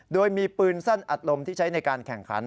โดยมีปืนสั้นอัดลมที่ใช้ในการแข่งขัน